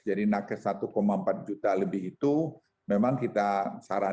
jadi nakesh satu empat juta lebih itu memang kita sarankan